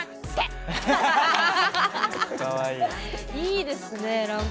いいですね何か。